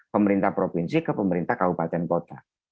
pemerintah provinsi ke pemerintah kabupaten kota